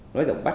nói giọng bắc